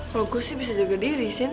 kalo gue sih bisa jaga diri sin